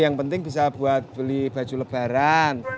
yang penting bisa buat beli baju lebaran